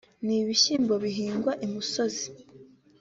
n’ibishyimbo bihingwa i musozi